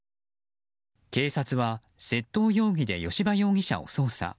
警察は窃盗容疑で吉羽容疑者を捜査。